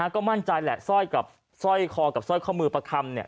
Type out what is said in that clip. ก็มั่นใจแหละสร้อยคอกับสร้อยข้อมือประคำ